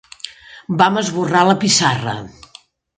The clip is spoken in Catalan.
Vam esborrar la pissarra.